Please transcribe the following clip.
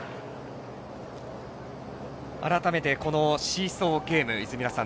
改めて、シーソーゲーム泉田さん